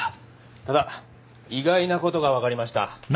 ただ意外なことが分かりました。